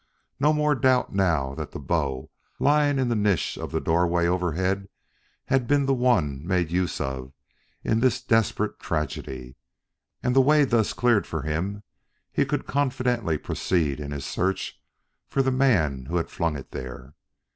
No more doubt now that the bow lying in the niche of the doorway overhead had been the one made use of in this desperate tragedy; and the way thus cleared for him, he could confidently proceed in his search for the man who had flung it there.